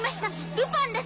ルパンです！